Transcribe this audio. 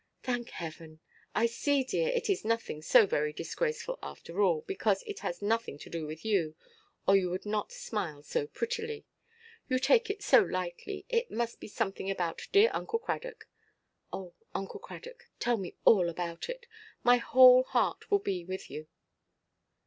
"Thank Heaven! I see, dear, it is nothing so very disgraceful after all, because it has nothing to do with you, or you would not smile so prettily. You take it so lightly, it must be something about dear Uncle Cradock. Oh, Uncle Cradock, tell me all about it; my whole heart will be with you."